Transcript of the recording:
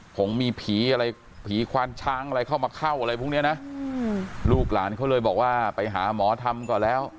ผมมีผีอะไรผีควานช้างอะไรเข้ามาเข้าอะไรพวกเนี้ยนะลูกหลานเขาเลยบอกว่าไปหาหมอทำก่อนแล้ว